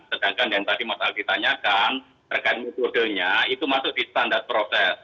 sedangkan yang tadi mas aldi tanyakan terkait metodenya itu masuk di standar proses